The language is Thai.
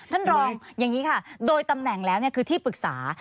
ท่านรองอย่างนี้ค่ะโดยตำแหน่งแล้วคือที่ปรึกษา